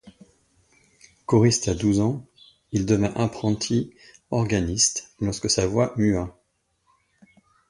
Choriste à douze ans, il devint apprenti organiste lorsque sa voix mua.